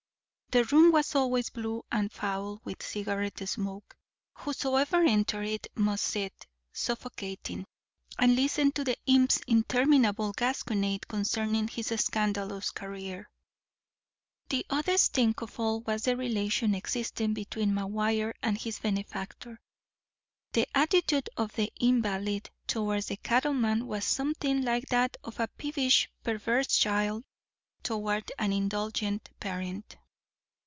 The room was always blue and foul with cigarette smoke; whosoever entered it must sit, suffocating, and listen to the imp's interminable gasconade concerning his scandalous career. The oddest thing of all was the relation existing between McGuire and his benefactor. The attitude of the invalid toward the cattleman was something like that of a peevish, perverse child toward an indulgent parent.